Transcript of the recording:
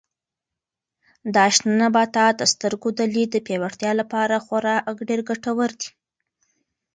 دا شنه نباتات د سترګو د لید د پیاوړتیا لپاره خورا ډېر ګټور دي.